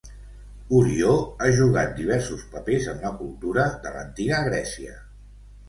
Orió ha jugat diversos papers en la cultura de l'Antiga Grècia.